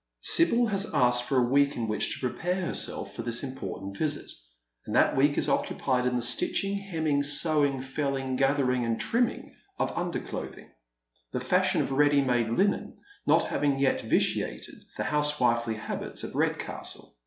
Sibyl has asked for a week in which to prepare herself for tliia important visit, and that week is occupied in the stitching, hemming, sewing, felling, gathering, and trimming of under clothing — the fashion of ready made linen not having yet vitiated the housewifely habits of Redcastle.